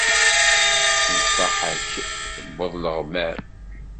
Nnṣaḥa-k tewweḍ leɣmam.